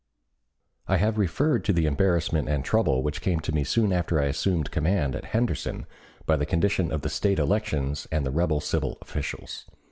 I have referred to the embarrassment and trouble which came to me soon after I assumed command at Henderson by the condition of the State elections and the rebel civil officials.